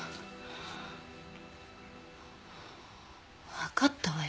わかったわよ。